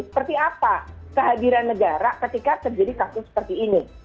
seperti apa kehadiran negara ketika terjadi kasus seperti ini